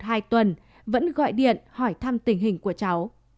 cách đây một hai tuần vẫn gọi điện hỏi thăm tình hình của cháu